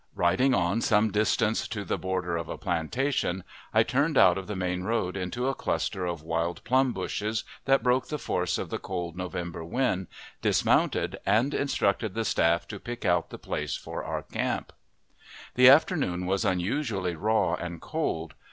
Riding on some distance to the border of a plantation, I turned out of the main road into a cluster of wild plum bushes, that broke the force of the cold November wind, dismounted, and instructed the staff to pick out the place for our camp. The afternoon was unusually raw and cold.